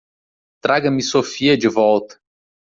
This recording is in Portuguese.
Traga-me Sophia de volta.